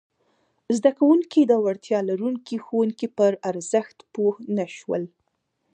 زده کوونکي د وړتیا لرونکي ښوونکي پر ارزښت پوه نه شول!